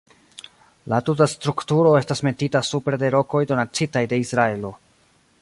La tuta strukturo estas metita supre de rokoj donacitaj de Israelo.